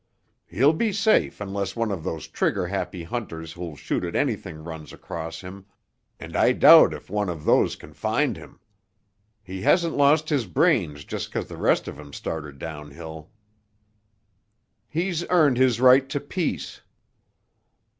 He'll be safe unless one of those trigger happy hunters who'll shoot at anything runs across him, and I doubt if one of those can find him. He hasn't lost his brains just 'cause the rest of him started downhill." "He's earned his right to peace."